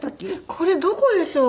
これどこでしょう？